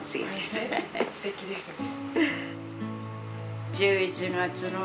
・すてきですね。